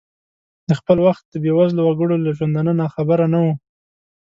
د خپل وخت د بې وزلو وګړو له ژوندانه ناخبره نه ؤ.